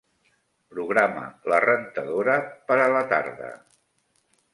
Programa la rentadora per a la tarda.